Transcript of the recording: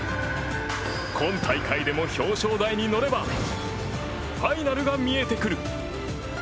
今大会でも表彰台に乗ればファイナルが見えてくる。